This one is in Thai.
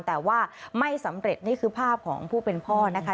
แต่ว่าไม่สำเร็จนี่คือภาพของผู้เป็นพ่อนะคะ